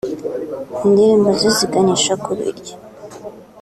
indirimbo ze ziganisha ku biryo